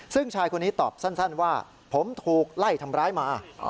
ซึ่งชายคนนี้ตอบสั้นว่าผมถูกไล่ทำร้ายมา